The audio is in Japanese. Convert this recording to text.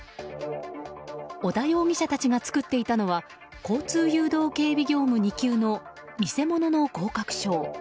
小田容疑者たちが作っていたのは交通誘導警備業務２級の偽物の合格証。